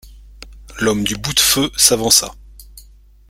L'homme du boute-feu s'avança.